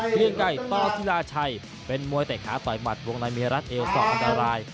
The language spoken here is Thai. เครื่องใกล้ตอศิลาชัยเป็นมวยเตะขาต่อยมัดวงลายมิรัติเอวศอกอันตราย